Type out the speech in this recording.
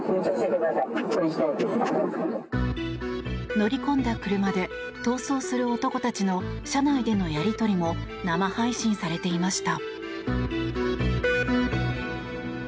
乗り込んだ車で逃走する男たちの車内でのやり取りも生配信されていました。